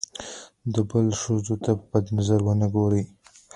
د بل ښځو ته په بد نظر ونه ګوري.